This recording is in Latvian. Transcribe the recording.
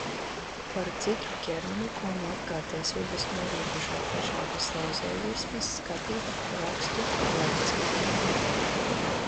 Par dzidru ķermeni, ko no apkārtējās vides norobežo dažādas lauzējvirsmas, skatīt rakstu lēca.